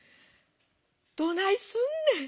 『どないすんねん。